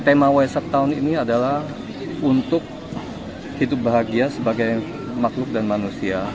tema waisak tahun ini adalah untuk hidup bahagia sebagai makhluk dan manusia